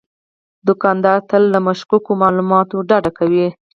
دوکاندار تل له مشکوکو معاملاتو ډډه کوي.